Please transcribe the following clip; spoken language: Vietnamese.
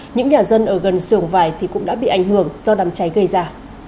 những nhà dân ở gần sưởng vải cũng đã bị ảnh hưởng do đám cháy gây ra